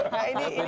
nah ini faktanya pak